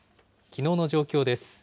きのうの状況です。